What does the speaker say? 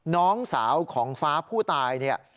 น้องสาวของฟ้าผู้ตายเนี่ย